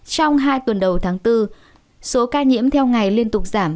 trong hai tuần đầu tháng bốn số ca nhiễm theo ngày liên tục giảm